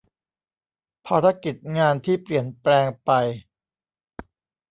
ภารกิจงานที่เปลี่ยนแปลงไป